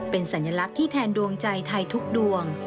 เป็นสัญลักษณ์ที่แทนดวงใจไทยทุกดวง